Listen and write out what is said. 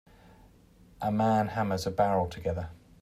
A man hammers a barrel together.